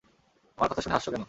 আমার কথা শুনে হাসছ কেন?